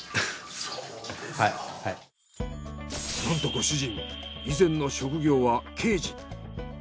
なんとご主人以前の職業は刑事。